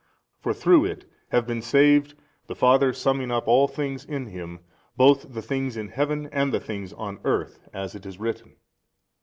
For through it have been saved, the Father summing up all things in Him 77, both the things in Heaven and the things on earth, as it is written.